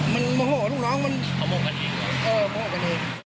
เห็นไม่ใช่พี่ยิงนี่คือ